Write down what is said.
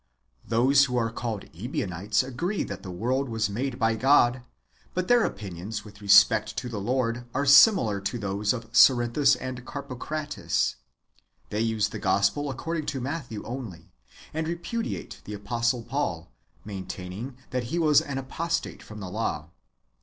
Those who are called Ebionites ao; ree that the world was made by God ; but their opinions with respect to the Lord are similar to those of Cerinthus and Carpocrates. They use the Gospel according to Matthevf only, and repu diate the Apostle Paul, maintaining that he was an apostate from the law.